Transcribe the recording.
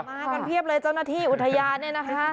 มากันเพียบเลยเจ้าหน้าที่อุทยานเนี่ยนะคะ